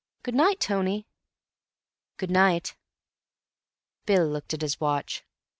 "Good night, Tony." "Good night." Bill looked at his watch.